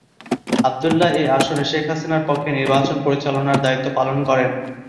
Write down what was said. আবদুল্লাহ এ আসনে শেখ হাসিনার পক্ষে নির্বাচন পরিচালনার দায়িত্ব পালন করেন।